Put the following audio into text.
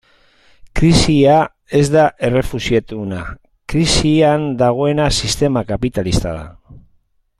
Krisia ez da errefuxiatuena, krisian dagoena sistema kapitalista da.